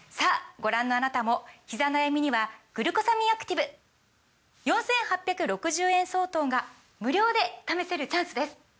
ご覧のあなたもひざ悩みには「グルコサミンアクティブ」４，８６０円相当が無料で試せるチャンスです！